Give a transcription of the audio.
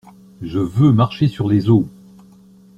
Je veux marcher sur les eaux!